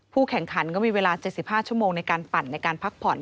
แข่งขันก็มีเวลา๗๕ชั่วโมงในการปั่นในการพักผ่อน